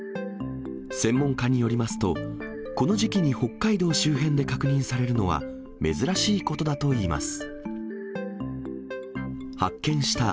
専門家によりますと、この時期に北海道周辺で確認されるのは、珍しいことだといいます。